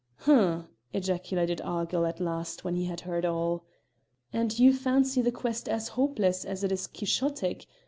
"H'm," ejaculated Argyll at last when he had heard all. "And you fancy the quest as hopeless as it is quixotic?